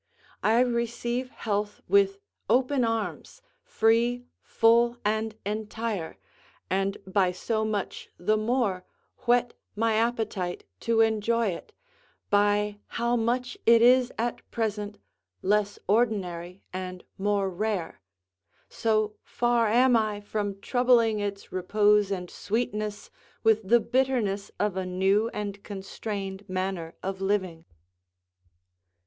I receive health with open arms, free, full, and entire, and by so much the more whet my appetite to enjoy it, by how much it is at present less ordinary and more rare; so far am I from troubling its repose and sweetness with the bitterness of a new and constrained manner of living.